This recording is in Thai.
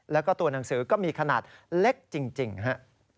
แล้วก็ตัวหนังสือก็มีขนาดเล็กจริงฮะ